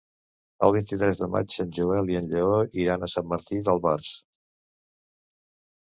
El vint-i-tres de maig en Joel i en Lleó iran a Sant Martí d'Albars.